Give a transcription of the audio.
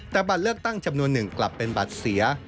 แต่บัตรเลือกตั้งจำนวนหนึ่งกลับเป็นบัตรเสีย